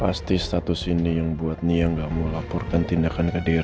pasti status ini yang buat nia nggak mau laporkan tindakan ke drt ke kantor polisi